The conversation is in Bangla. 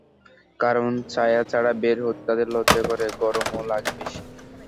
কারণ ছায়া ছাড়া বের হতে তাদের লজ্জা করে, গরমও লাগে বেশি।